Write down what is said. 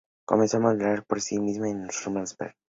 Comenzó a modelar a la vez por sí misma y con su hermano Spencer.